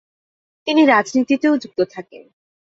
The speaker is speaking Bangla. তিনি রাজনীতিতেও যুক্ত থাকেন।